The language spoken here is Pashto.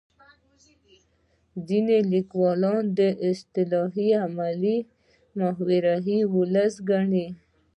ځینې لیکوالان اصطلاح علمي او محاوره ولسي ګڼي